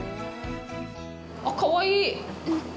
あっ、かわいい！